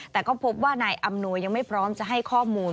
แต่ก็พบว่านายอำนวยยังไม่พร้อมจะให้ข้อมูล